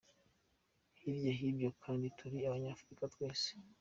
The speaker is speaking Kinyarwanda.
Hirya y’ibyo kandi turi Abanyafurika twese.